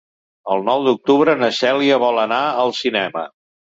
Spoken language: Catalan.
El nou d'octubre na Cèlia vol anar al cinema.